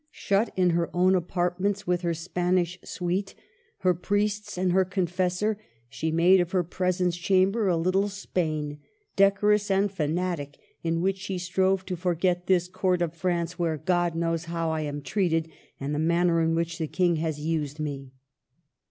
Shut in her own apartments, with her Spanish THE '' HEP TAME RONr 1 99 suite, her priests, and her confessor, she made of her presence chamber a Httle Spain, decorous and fanatic, in which she strove to forget '* this Court of France, where God knows how I am treated, and the manner in which the King has used me."